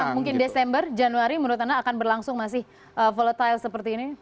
mungkin desember januari menurut anda akan berlangsung masih volatile seperti ini